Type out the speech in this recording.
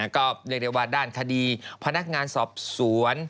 ก็เรียกได้ว่าด้านคดีพนักงานสอบสวน